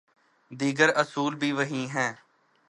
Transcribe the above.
دیگر اصول بھی وہی ہیں۔